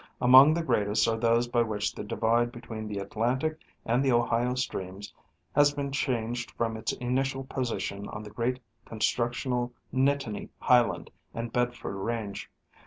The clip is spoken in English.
Among the greatest are those by which the divide between the Atlantic and the Ohio streams has been changed from its initial position on the great constructional Nittany highland and Bedford range.